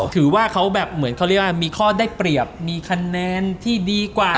ถือว่าเขาแบบเหมือนเขาเรียกว่ามีข้อได้เปรียบมีคะแนนที่ดีกว่า